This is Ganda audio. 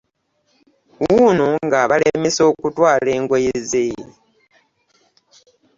Wuuno nga abalemesa okutwala engoye ze .